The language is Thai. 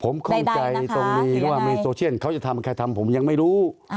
ผมค่องใจตรงนี้ว่ามีโทรเซียนเค้าทำไปยังไม่รู้